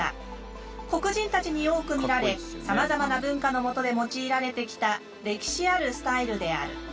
黒人たちに多く見られさまざまな文化のもとで用いられてきた歴史あるスタイルである。